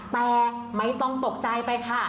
แต่ไม่ต้องตกใจไปค่ะ